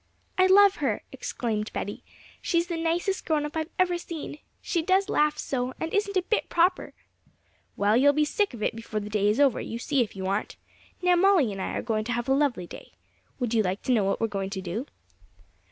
'I love her!' exclaimed Betty; 'she's the nicest grown up I've ever seen. She does laugh so, and isn't a bit proper.' 'Well, you'll be sick of it before the day is over, you see if you aren't! Now Molly and I are going to have a lovely day. Would you like to know what we're going to do?'